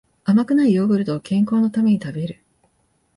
甘くないヨーグルトを健康のために食べる